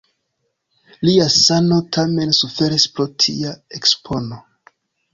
Lia sano tamen suferis pro tia ekspono.